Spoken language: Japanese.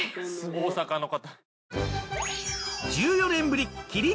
大阪の方。